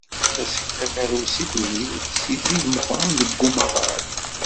Tasekla tarusit d yiwet si tid meqqren deg umaḍal.